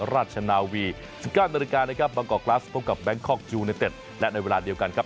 ราชนาวี๑๙นบางกอกกราฟส์พบกับแบงคกยูเนตเต็ดและในเวลาเดียวกัน